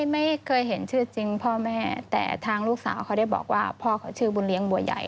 ไม่เคยเห็นชื่อจริงพ่อแม่แต่ทางลูกสาวเขาได้บอกว่าพ่อเขาชื่อบุญเลี้ยงบัวใหญ่